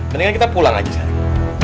mendingan kita pulang aja sekarang